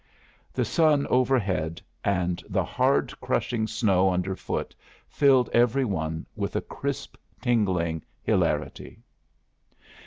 The sun overhead and the hard crushing snow underfoot filled every one with a crisp, tingling hilarity.